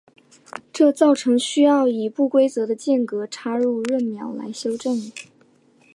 这造成需要以不规则的间隔插入闰秒来修正。